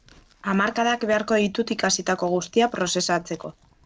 Hamarkadak beharko ditut ikasitako guztia prozesatzeko.